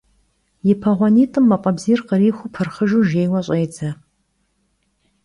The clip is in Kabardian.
Yi peğuanit'ım maf'e bziyr khrixuu pırxhıjju jjêyue ş'êdze.